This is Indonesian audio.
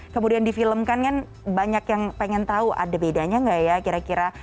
kemudian difilmkan kan banyak yang pengen tahu ada bedanya nggak ya kira kira